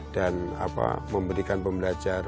dan apa memberikan pembelajaran